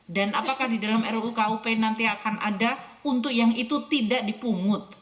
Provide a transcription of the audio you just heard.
dan apakah di dalam ruu kup nanti akan ada untuk yang itu tidak dipungut